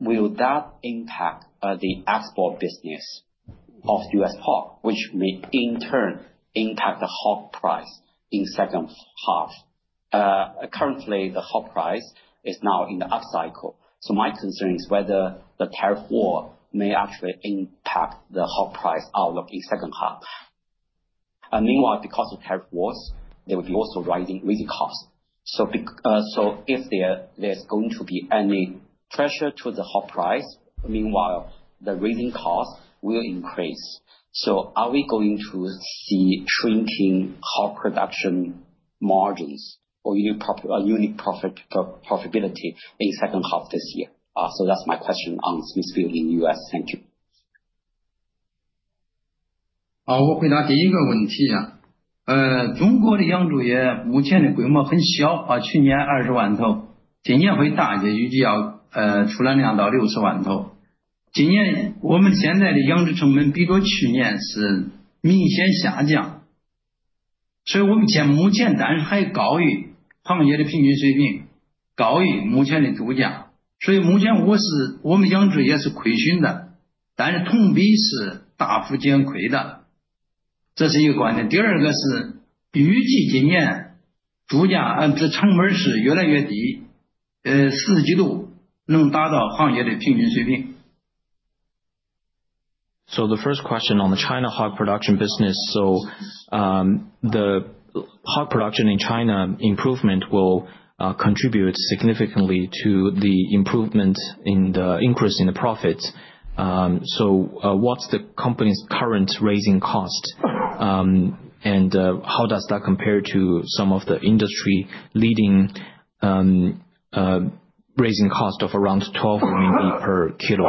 will that impact the export business of U.S. pork, which may in turn impact the hog price in the second half? Currently, the hog price is now in the upcycle. My concern is whether the tariff war may actually impact the hog price outlook in the second half. Meanwhile, because of tariff wars, there will be also rising costs. If there's going to be any pressure to the hog price, meanwhile, the rising costs will increase. Are we going to see shrinking hog production margins or unit profitability in the second half this year? That's my question on Smithfield in the U.S. Thank you. The first question on the China hog production business. The hog production in China improvement will contribute significantly to the improvement in the increase in the profits. What's the company's current raising cost? And how does that compare to some of the industry leading raising cost of around $12 million per kilo?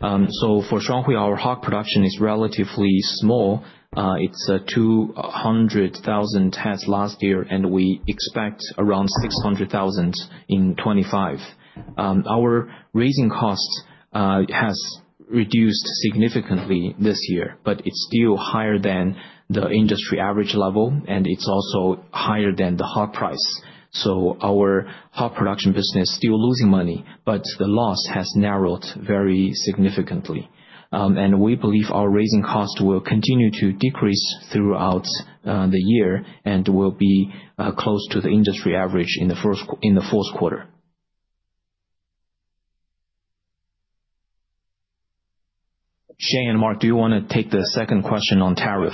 For Shuanghui, our hog production is relatively small. It's 200,000 heads last year, and we expect around 600,000 in '25. Our raising cost has reduced significantly this year, but it's still higher than the industry average level, and it's also higher than the hog price. Our hog production business is still losing money, but the loss has narrowed very significantly. And we believe our raising cost will continue to decrease throughout the year and will be close to the industry average in the fourth quarter. Shane and Mark, do you want to take the second question on tariff?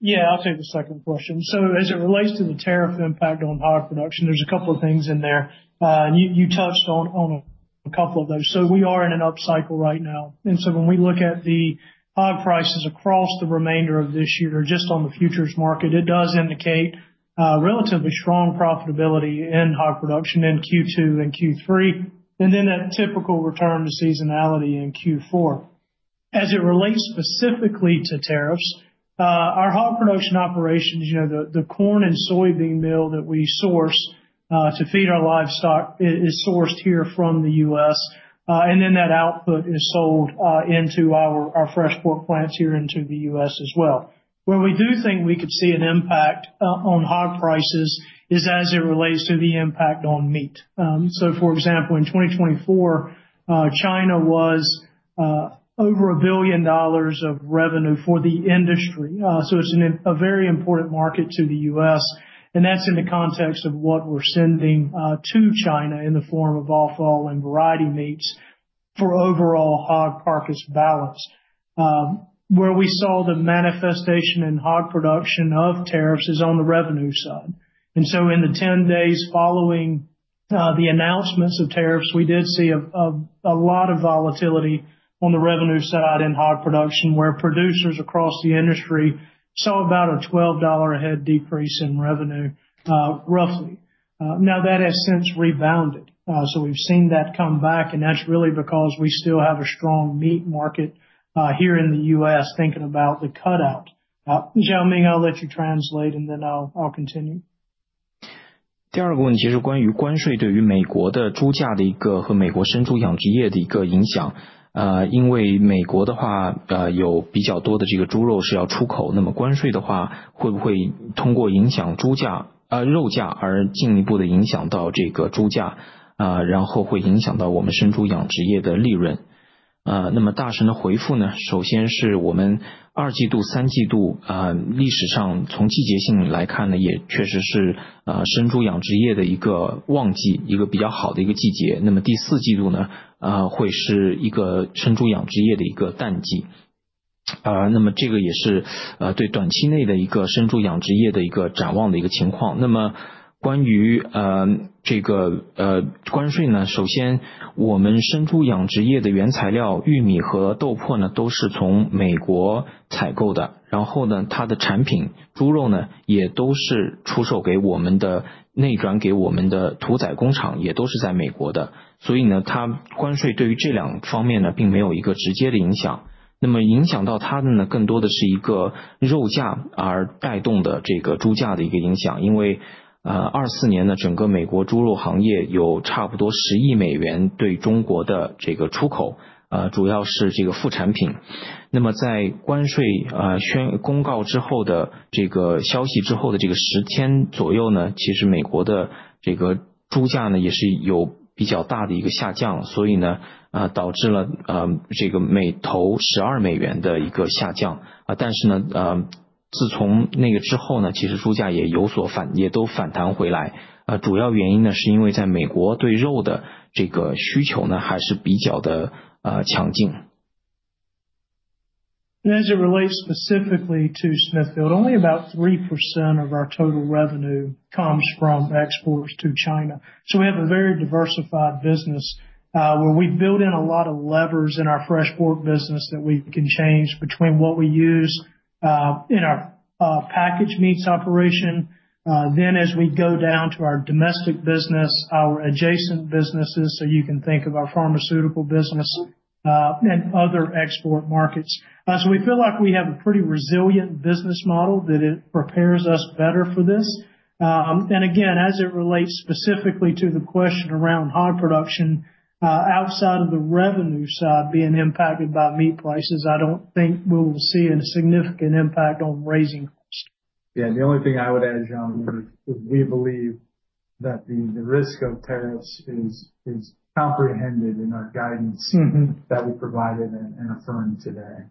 Yeah, I'll take the second question. As it relates to the tariff impact on hog production, there's a couple of things in there. You touched on a couple of those. We are in an upcycle right now. When we look at the hog prices across the remainder of this year, just on the futures market, it does indicate relatively strong profitability in hog production in Q2 and Q3, and then that typical return to seasonality in Q4. As it relates specifically to tariffs, our hog production operations, the corn and soybean mill that we source to feed our livestock is sourced here from the U.S. That output is sold into our fresh pork plants here into the U.S. as well. Where we do think we could see an impact on hog prices is as it relates to the impact on meat. For example, in 2024, China was over $1 billion of revenue for the industry. It's a very important market to the U.S. That's in the context of what we're sending to China in the form of offal and variety meats for overall hog purchase balance. Where we saw the manifestation in hog production of tariffs is on the revenue side. In the 10 days following the announcements of tariffs, we did see a lot of volatility on the revenue side in hog production, where producers across the industry saw about a $12 a head decrease in revenue, roughly. Now that has since rebounded. We've seen that come back. That's really because we still have a strong meat market here in the U.S. thinking about the cutout. Xiaoming, I'll let you translate, and then I'll continue. 第二个问题是关于关税对于美国的猪价的一个和美国生猪养殖业的一个影响。因为美国的话有比较多的猪肉是要出口。那么关税的话会不会通过影响猪价、肉价而进一步的影响到猪价，然后会影响到我们生猪养殖业的利润？那么大神的回复，首先是我们二季度、三季度历史上从季节性来看，也确实是生猪养殖业的一个旺季，一个比较好的一个季节。那么第四季度会是一个生猪养殖业的一个淡季。那么这个也是对短期内的一个生猪养殖业的一个展望的一个情况。那么关于关税，首先我们生猪养殖业的原材料玉米和豆粕都是从美国采购的。然后它的产品猪肉也都是出售给我们的，内转给我们的屠宰工厂也都是在美国的。所以它关税对于这两方面并没有一个直接的影响。那么影响到它的更多的是一个肉价而带动的猪价的一个影响。因为2024年整个美国猪肉行业有差不多$10亿美元对中国的出口，主要是副产品。那么在关税宣布公告之后的消息之后的10天左右，其实美国的猪价也是有比较大的一个下降。所以导致了每头$12美元的一个下降。但是自从那个之后，其实猪价也都反弹回来。主要原因是因为在美国对肉的需求还是比较的强劲。As it relates specifically to Smithfield, only about 3% of our total revenue comes from exports to China. So we have a very diversified business where we build in a lot of levers in our fresh pork business that we can change between what we use in our packaged meats operation. Then as we go down to our domestic business, our adjacent businesses, so you can think of our pharmaceutical business and other export markets. We feel like we have a pretty resilient business model that prepares us better for this. Again, as it relates specifically to the question around hog production outside of the revenue side being impacted by meat prices, I don't think we will see a significant impact on raising costs. Yeah, the only thing I would add, Xiaoming, is we believe that the risk of tariffs is comprehended in our guidance that we provided and affirmed today.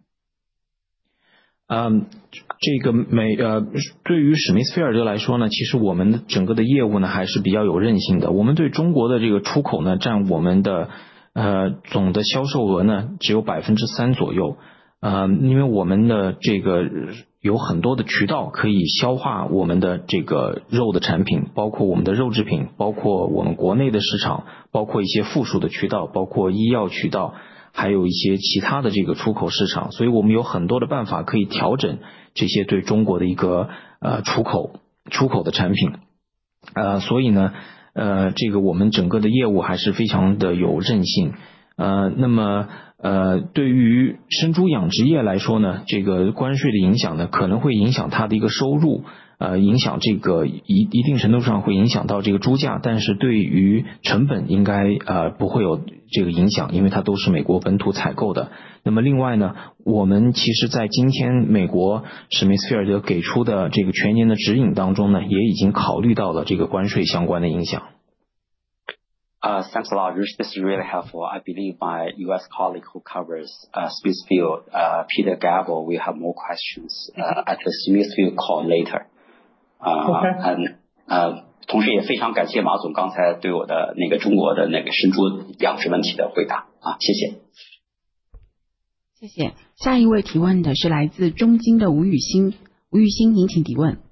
Thanks a lot. This is really helpful. I believe my U.S. colleague who covers Smithfield, Peter Gabel, will have more questions at the Smithfield call later. And 同时也非常感谢马总刚才对我的中国的生猪养殖问题的回答。谢谢。谢谢。下一位提问的是来自中金的吴雨欣。吴雨欣，您请提问。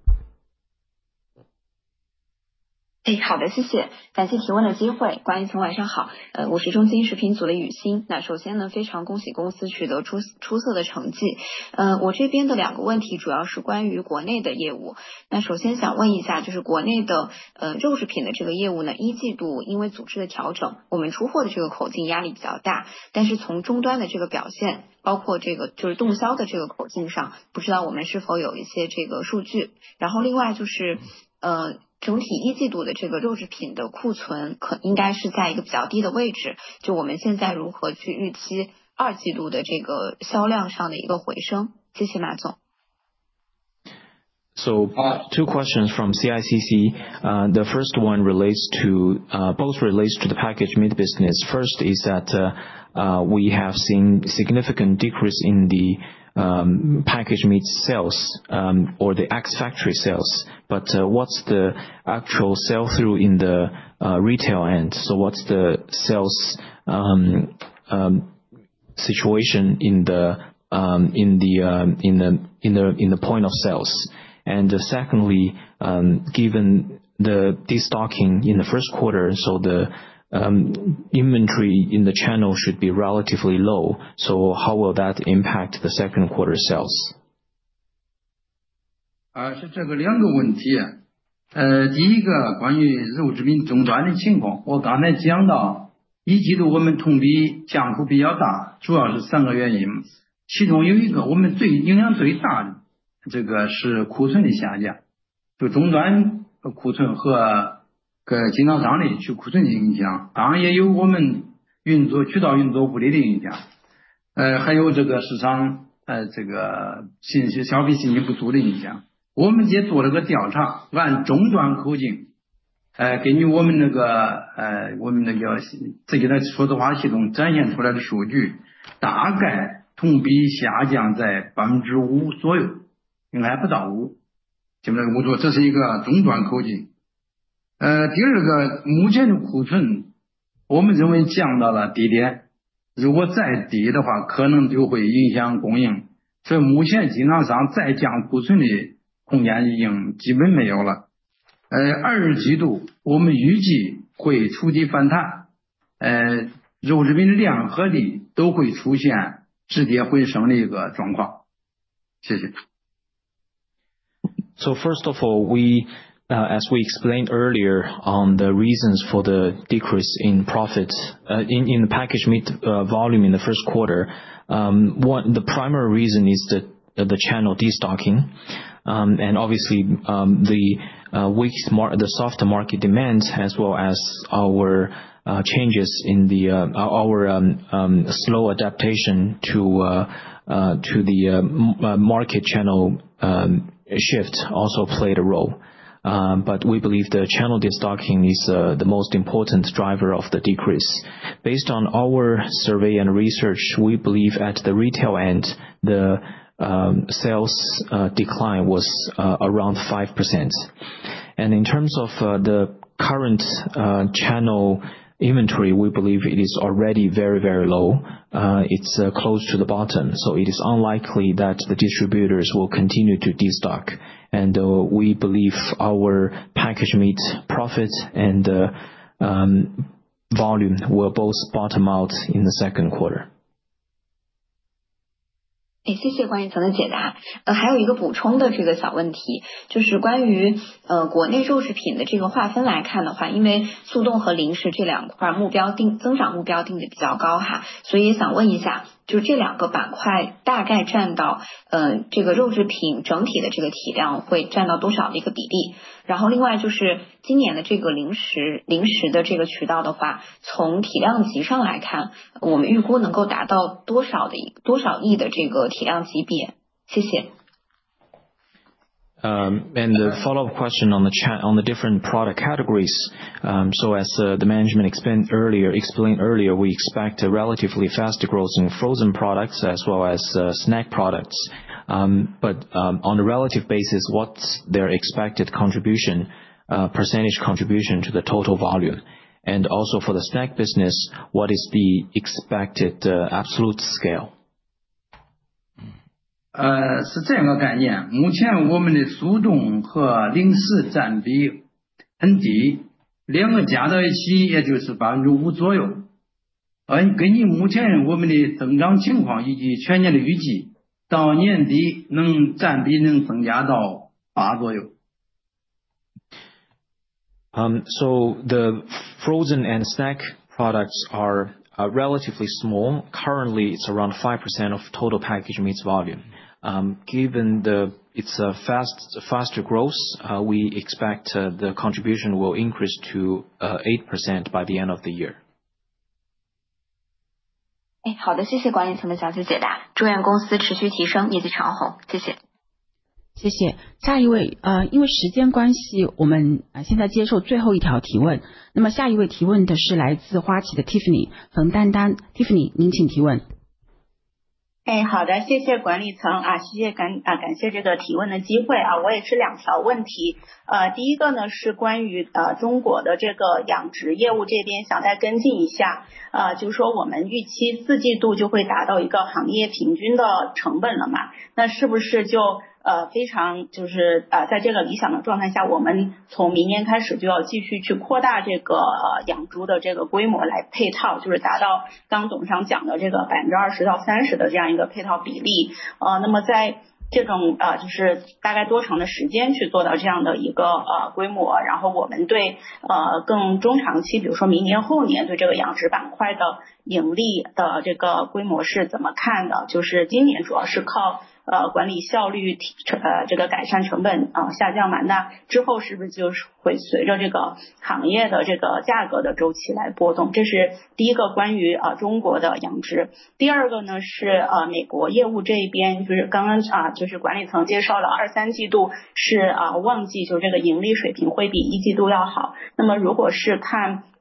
Two questions from CICC. The first one relates to both relates to the packaged meat business. First is that we have seen significant decrease in the packaged meat sales or the ex-factory sales. But what's the actual sale through in the retail end? What's the sales situation in the point of sales? And secondly, given the destocking in the first quarter, the inventory in the channel should be relatively low. How will that impact the second quarter sales? First of all, as we explained earlier on the reasons for the decrease in packaged meat volume in the first quarter, the primary reason is the channel destocking. Obviously, the soft market demands as well as our changes in our slow adaptation to the market channel shift also played a role. But we believe the channel destocking is the most important driver of the decrease. Based on our survey and research, we believe at the retail end, the sales decline was around 5%. In terms of the current channel inventory, we believe it is already very, very low. It's close to the bottom. It is unlikely that the distributors will continue to destock. We believe our packaged meat profit and volume will both bottom out in the second quarter. The follow-up question on the different product categories. As the management explained earlier, we expect relatively fast growth in frozen products as well as snack products. But on a relative basis, what's their expected percentage contribution to the total volume? Also for the snack business, what is the expected absolute scale? 是这样个概念。目前我们的速冻和零食占比很低，两个加在一起也就是5%左右。根据目前我们的增长情况以及全年的预计，到年底能占比能增加到8%左右。The frozen and snack products are relatively small. Currently, it's around 5% of total packaged meat volume. Given its faster growth, we expect the contribution will increase to 8% by the end of the year. 好的，谢谢关一聪的详细解答。住院公司持续提升业绩长红。谢谢。谢谢。下一位，因为时间关系，我们现在接受最后一条提问。那么下一位提问的是来自花旗的Tiffany冯丹丹，Tiffany，您请提问。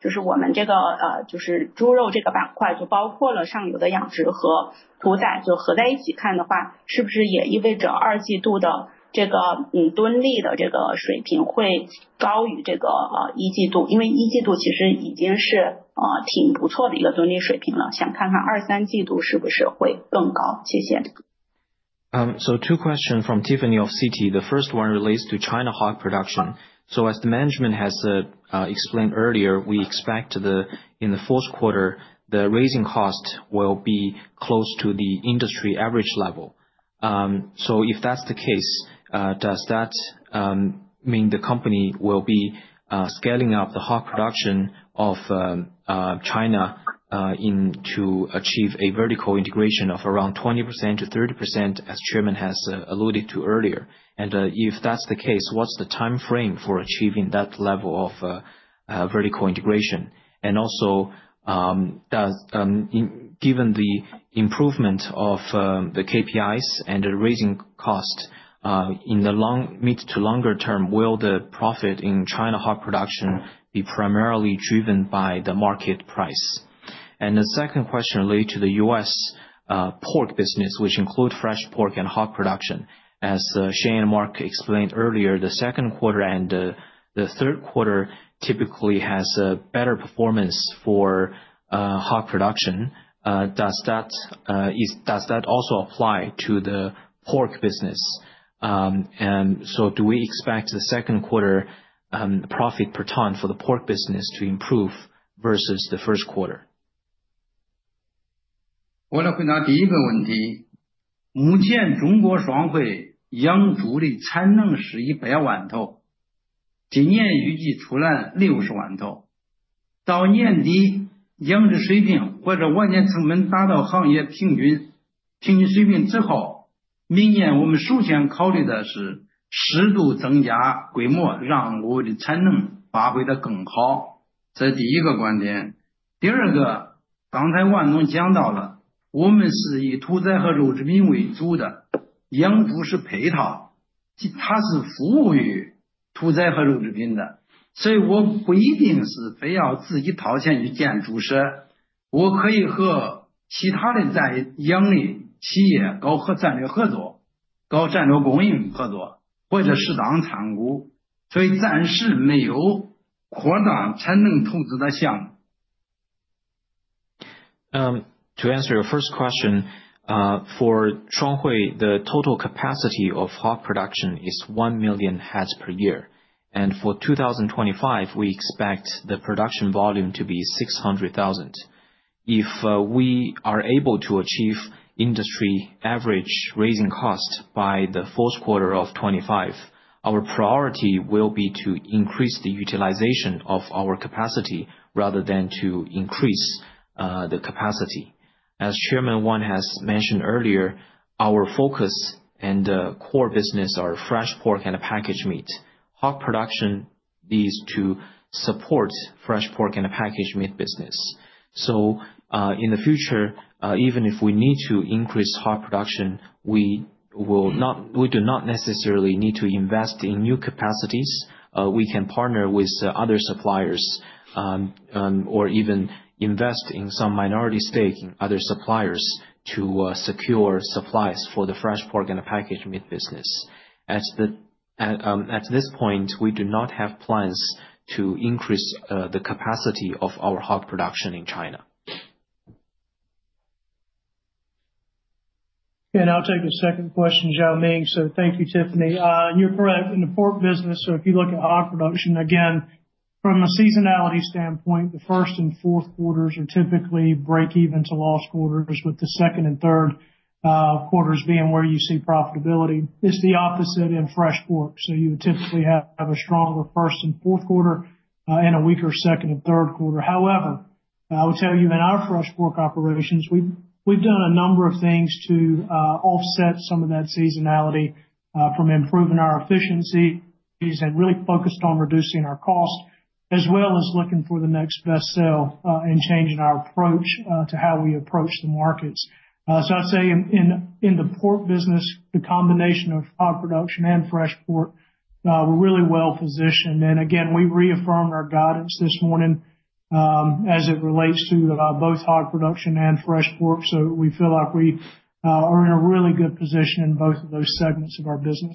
Two questions from Tiffany of Citi. The first one relates to China hog production. As the management has explained earlier, we expect in the fourth quarter, the raising cost will be close to the industry average level. If that's the case, does that mean the company will be scaling up the hog production of China to achieve a vertical integration of around 20% to 30%, as Chairman has alluded to earlier? If that's the case, what's the timeframe for achieving that level of vertical integration? Also, given the improvement of the KPIs and the raising cost, in the mid to longer term, will the profit in China hog production be primarily driven by the market price? The second question relates to the U.S. pork business, which includes fresh pork and hog production. As Shane and Mark explained earlier, the second quarter and the third quarter typically has a better performance for hog production. Does that also apply to the pork business? Do we expect the second quarter profit per ton for the pork business to improve versus the first quarter? To answer your first question, for 双汇's total capacity of hog production is 1 million heads per year. For 2025, we expect the production volume to be 600,000. If we are able to achieve industry average raising cost by the fourth quarter of '25, our priority will be to increase the utilization of our capacity rather than to increase the capacity. As Chairman Wang has mentioned earlier, our focus and core business are fresh pork and packaged meat. Hog production is to support fresh pork and packaged meat business. In the future, even if we need to increase hog production, we do not necessarily need to invest in new capacities. We can partner with other suppliers or even invest in some minority stake in other suppliers to secure supplies for the fresh pork and packaged meat business. At this point, we do not have plans to increase the capacity of our hog production in China. I'll take a second question, Zhao Ming. Thank you, Tiffany. You're correct, in the pork business, if you look at hog production, again, from a seasonality standpoint, the first and fourth quarters are typically break-even to lost quarters, with the second and third quarters being where you see profitability. It's the opposite in fresh pork. You would typically have a stronger first and fourth quarter and a weaker second and third quarter. However, I will tell you, in our fresh pork operations, we've done a number of things to offset some of that seasonality from improving our efficiencies and really focused on reducing our cost, as well as looking for the next best sale and changing our approach to how we approach the markets. In the pork business, the combination of hog production and fresh pork, we're really well positioned. Again, we reaffirmed our guidance this morning as it relates to both hog production and fresh pork. We feel like we are in a really good position in both of those segments of our business.